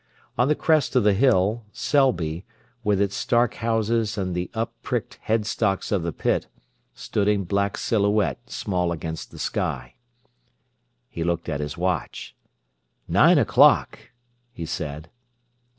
On the crest of the hill, Selby, with its stark houses and the up pricked headstocks of the pit, stood in black silhouette small against the sky. He looked at his watch. "Nine o'clock!" he said.